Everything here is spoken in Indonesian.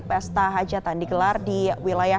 pesta hajatan digelar di wilayah